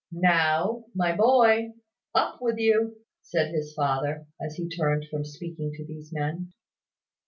"Now, my boy, up with you!" said his father, as he turned from speaking to these men.